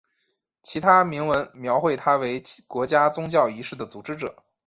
其他铭文描绘他为国家宗教仪式的组织者。